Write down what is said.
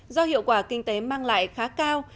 do hiệu quả kinh tế mang lại khá cao